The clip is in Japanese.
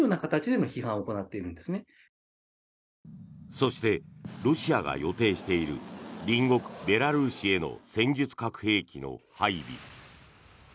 そして、ロシアが予定している隣国ベラルーシへの戦術核兵器の配備。